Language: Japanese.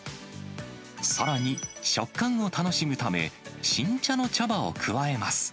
さらに、食感を楽しむため、新茶の茶葉を加えます。